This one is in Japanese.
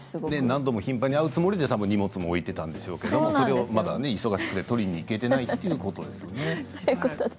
何度も頻繁に会うつもりで荷物も置いていっていたんでしょうけれどもそれが忙しくて取りに行けていそういうことです。